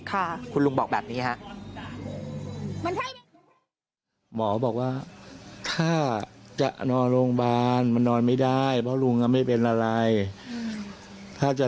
ค่ะคุณลุงบอกแบบนี้ฮะ